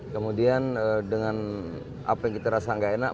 kemudian dengan apa yang kita rasa gak enak